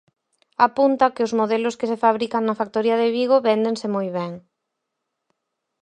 Apunta que os modelos que se fabrican na factoría de Vigo "véndense moi ben".